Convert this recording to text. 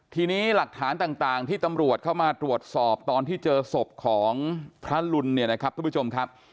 ทีนี้หลักฐานต่างที่ตำรวจเข้ามาตรวจสอบตอนที่เจอศพของพระลุนเนี่ยนะครับทุกผู้ชมครับ